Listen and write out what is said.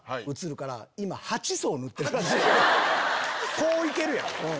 こういけるやん！